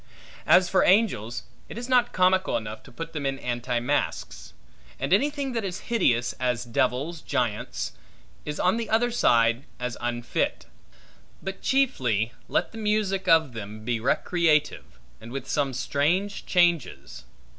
As for angels, it is not comical enough, to put them in anti masques; and anything that is hideous, as devils, giants, is on the other side as unfit. But chiefly, let the music of them be recreative, and with some strange changes.